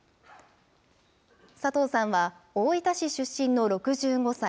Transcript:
佐藤さんは、大分市出身の６５歳。